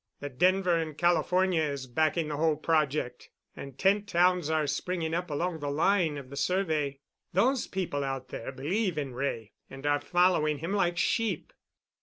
The Denver and California is backing the whole project, and tent towns are springing up along the line of the survey. Those people out there believe in Wray and are following him like sheep."